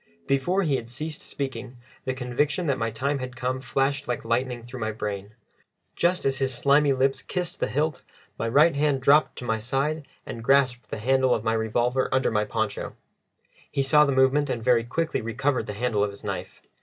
Before he had ceased speaking, the conviction that my time had come flashed like lightning through my brain. Just as his slimy lips kissed the hilt, my right hand dropped to my side and grasped the handle of my revolver under my poncho. He saw the movement, and very quickly recovered the handle of his knife.